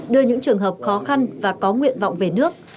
đưa những trường hợp khó khăn và có nguyện vọng về nước